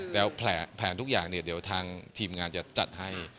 แล้วแผนทุกอย่างเนี่ยเดี๋ยวทางทีมงานจะจัดให้